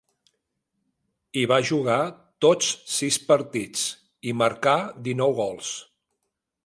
Hi va jugar tots sis partits, i marcà dinou gols.